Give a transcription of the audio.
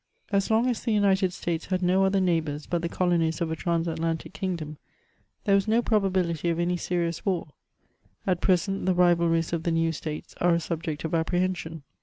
As long as the United States had no other neighbours but the colonies of a transatlantic kingdom, there was no probability of any serious war ; at present, the rivalries of the new states are a subject of apprehension.